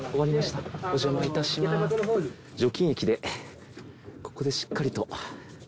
除菌液でここでしっかりと。